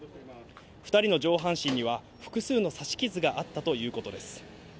２人の上半身には、複数の刺し傷があったということです。